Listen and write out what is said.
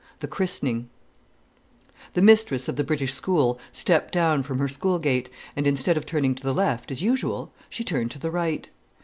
The Christening The mistress of the British School stepped down from her school gate, and instead of turning to the left as usual, she turned to the right.